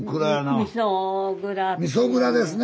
みそ蔵ですね。